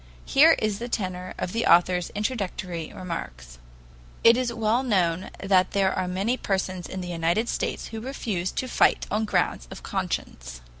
Here is the tenor of the author's introductory remarks: "It is well known that there are many persons in the United States who refuse to fight on grounds of conscience.